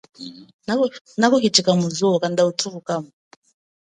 Nakuhichika muzu kanda uthuhu kamo.